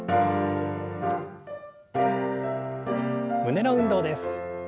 胸の運動です。